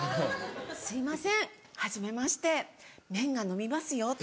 「すいませんはじめまして麺がのびますよ」。